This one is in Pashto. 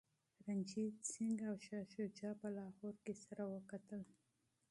رنجیت سنګ او شاه شجاع په لاهور کي سره وکتل.